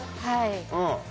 はい。